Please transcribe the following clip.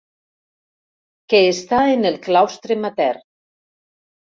Que està en el claustre matern.